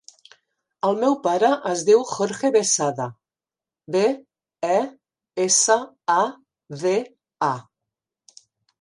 El meu pare es diu Jorge Besada: be, e, essa, a, de, a.